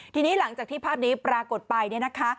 ทีนี้หลังจากที่ภาพนี้ปรากฏไปเนี่ยนะคะ